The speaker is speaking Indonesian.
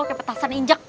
kayak petasan injek